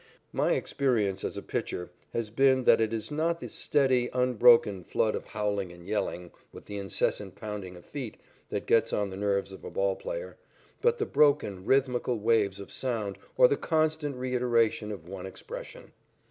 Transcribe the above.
My experience as a pitcher has been that it is not the steady, unbroken flood of howling and yelling, with the incessant pounding of feet, that gets on the nerves of a ball player, but the broken, rhythmical waves of sound or the constant reiteration of one expression.